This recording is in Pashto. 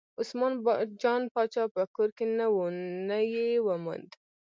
عثمان جان پاچا په کور کې نه و نه یې وموند.